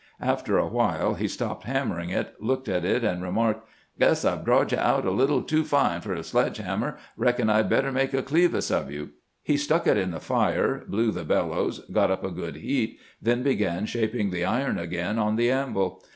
After a while he stopped hammering it, looked at it, and re miarked :' Guess I 've drawed you out a little too fine for a sledge hammer ; reckon I 'd better make a clevis of you.' He stuck it in the fire, blew the bellows, got up a good heat, then began shaping the iron again on the anvil.